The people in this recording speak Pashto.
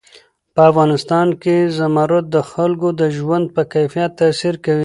په افغانستان کې زمرد د خلکو د ژوند په کیفیت تاثیر کوي.